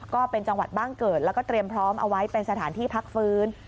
ก็เป็นจังหวัดบ้านเกิดแล้วก็เตรียมพร้อมเอาไว้เป็นสถานที่พักฟื้น